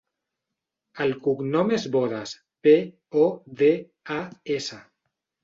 El cognom és Bodas: be, o, de, a, essa.